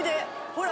ほら。